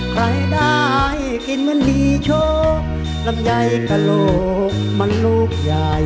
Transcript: ใครได้กินเหมือนดีโชคลำไยกระโหลกมันลูกใหญ่